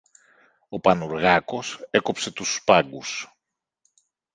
Ο Πανουργάκος έκοψε τους σπάγκους